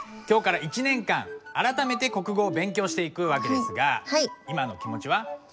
今日から１年間あらためて国語を勉強していく訳ですが今の気持ちは？